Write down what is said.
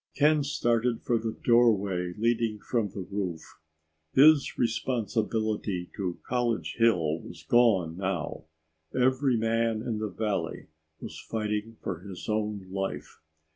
Ken started for the doorway leading from the roof. His responsibility to College Hill was gone now. Every man in the valley was fighting for his own life.